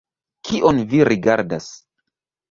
Kion vi rigardas?